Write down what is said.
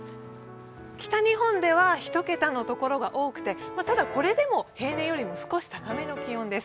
北日本では１桁の所が多くてただ、これでも平年よりも少し高めの気温です。